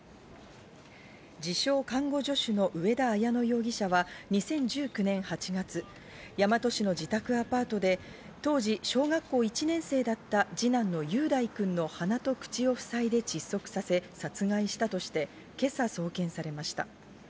自称看護助手の上田綾乃容疑者は２０１９年８月、大和市の自宅アパートで当時、小学校１年生だった二男の雄大くんの鼻と口をふさいで窒息させ殺害したとして今朝、送検されました。